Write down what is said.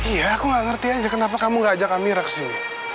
iya aku gak ngerti aja kenapa kamu gak ajak kamera kesini